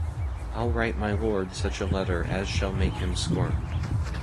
I'll write my Lord such a letter as shall make him squirm.